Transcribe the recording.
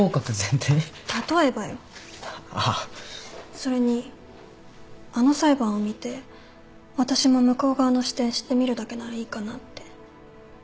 それにあの裁判を見て私も向こう側の視点知ってみるだけならいいかなって